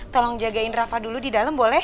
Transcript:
tolong jagain rafa dulu di dalam boleh